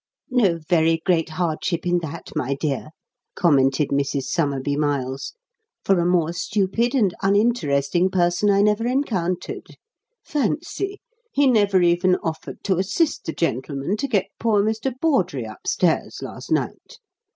"No very great hardship in that, my dear," commented Mrs. Somerby Miles, "for a more stupid and uninteresting person I never encountered. Fancy! he never even offered to assist the gentlemen to get poor Mr. Bawdrey upstairs last night.